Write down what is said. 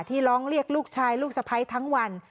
ร้องเรียกลูกชายลูกสะพ้ายทั้งวัน